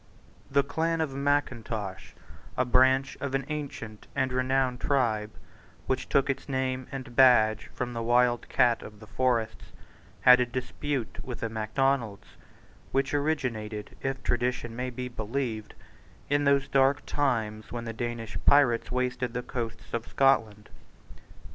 The clan of Mackintosh, a branch of an ancient and renowned tribe which took its name and badge from the wild cat of the forests, had a dispute with the Macdonalds, which originated, if tradition may be believed, in those dark times when the Danish pirates wasted the coasts of Scotland.